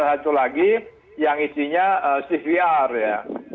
satu lagi yang isinya cvr ya